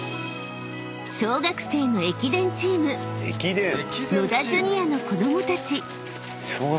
［小学生の駅伝チーム野田ジュニアの子供たち］